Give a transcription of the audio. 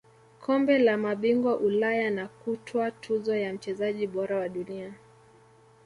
kombe la mabingwa Ulaya na kutwaa tuzo ya mchezaji bora wa dunia